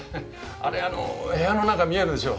あれ部屋の中見えるでしょ。